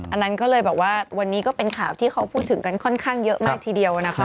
อันนั้นก็เลยบอกว่าวันนี้ก็เป็นข่าวที่เขาพูดถึงกันค่อนข้างเยอะมากทีเดียวนะคะ